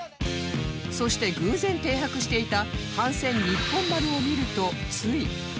そして偶然停泊していた帆船日本丸を見るとつい